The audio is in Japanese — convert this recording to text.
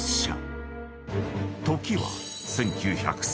［時は１９０３年］